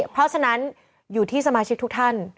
เพราะฉะนั้นอยู่ที่สมาชิกทุกท่าน